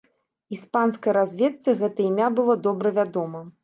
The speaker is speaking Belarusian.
Іспанскай разведцы гэта імя было добра вядома.